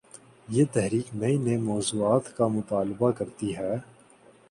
یہ 'تحریک‘ نئے نئے مو ضوعات کا مطالبہ کر تی ہے۔